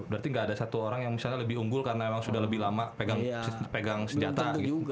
berarti nggak ada satu orang yang misalnya lebih unggul karena memang sudah lebih lama pegang senjata